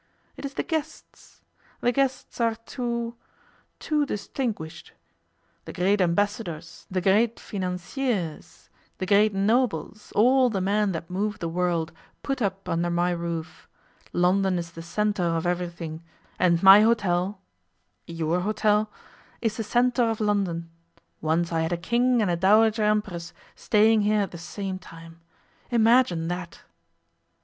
It is the guests. The guests are too too distinguished. The great Ambassadors, the great financiers, the great nobles, all the men that move the world, put up under my roof. London is the centre of everything, and my hotel your hotel is the centre of London. Once I had a King and a Dowager Empress staying here at the same time. Imagine that!